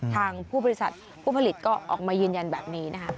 ทางผู้ผลิตก็ออกมายืนยันแบบนี้นะคะ